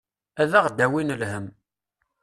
Ad aɣ-d-awin lhemm.